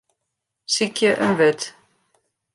Sykje in wurd.